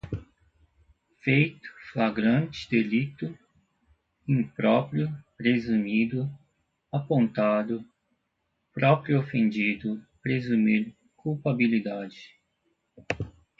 feito, flagrante delito, impróprio, presumido, apontado, próprio ofendido, presumir, culpabilidade